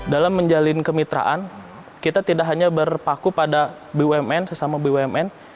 dalam menjalin kemitraan kita tidak hanya berpaku pada bumn sesama bumn